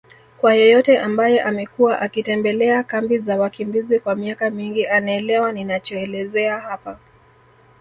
Kwa yeyote ambaye amekuwa akitembelea kambi za wakimbizi kwa miaka mingi anaelewa ninachoelezea hapa